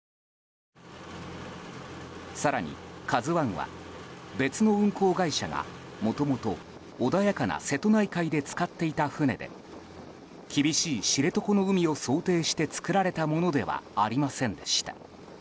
更に「ＫＡＺＵ１」は別の運航会社がもともと穏やかな瀬戸内海で使っていた船で厳しい知床の海を想定して作られたものではありませんでした。